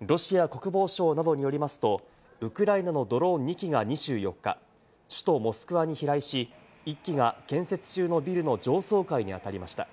ロシア国防省などによりますと、ウクライナのドローン２機が２４日、首都・モスクワに飛来し、１機が建設中のビルの上層階に当たりました。